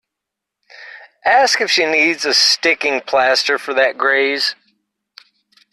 Ask if she needs a sticking plaster for that graze.